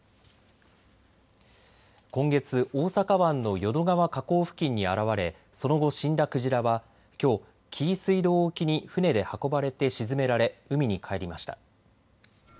今月、大阪湾の淀川河口付近に現れ、その後死んだクジラはきょう紀伊水道沖に船で運ばれて沈められ、海にかえりました。